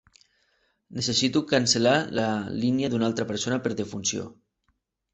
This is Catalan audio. Necessito cancel·lar la línia d'una altra persona per defunció.